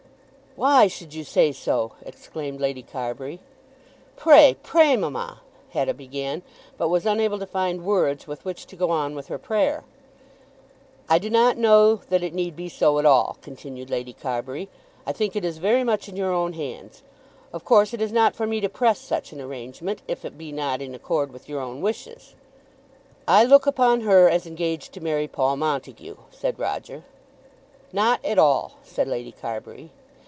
"Why should you say so?" exclaimed Lady Carbury. "Pray, pray, mamma ," Hetta began, but was unable to find words with which to go on with her prayer. "I do not know that it need be so at all," continued Lady Carbury. "I think it is very much in your own hands. Of course it is not for me to press such an arrangement, if it be not in accord with your own wishes." "I look upon her as engaged to marry Paul Montague," said Roger. "Not at all," said Lady Carbury.